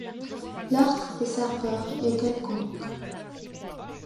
L'ordre des serveurs est quelconque.